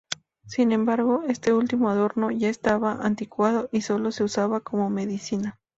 Sin embargo, este último adorno ya estaba anticuado y solo se usaba como medicina.